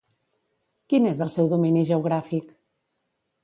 Quin és el seu domini geogràfic?